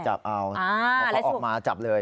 จับเอาเขาออกมาจับเลย